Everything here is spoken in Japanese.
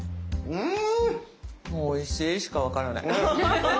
うん！